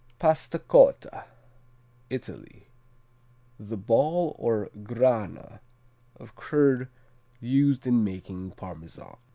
Pasta Cotta Italy The ball or grana of curd used in making Parmesan.